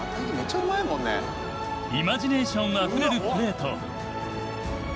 イマジネーションあふれるプレーと。